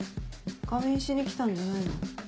仮眠しに来たんじゃないの？